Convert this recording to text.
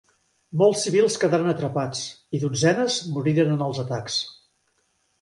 Molts civils quedaren atrapats, i dotzenes moriren en els atacs.